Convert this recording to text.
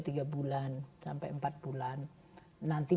tiga bulan sampai empat bulan nanti